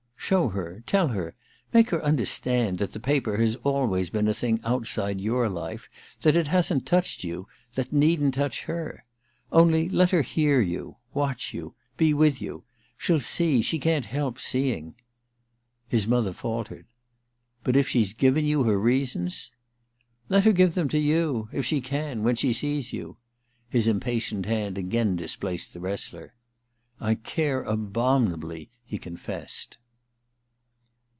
* Show her — tell her — make her understand that the paper has always been a thing outside your life — that hasn't touched you — that needn't touch her. Only, let her hear you — watch you I THE QUICKSAND 291 — be with you — she'll see ... she can't help seeing. ...' His mother faltered. * But if she's given you her reasons ?'* Let her give them to you ! If she can — when she sees you. ...' His impatient hand again displaced the wrestler. *I care abomin ably,' he confessed.